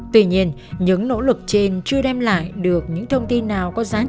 tuy nhiên những nỗ lực trên chưa đem lại được những thông tin nào có giá trị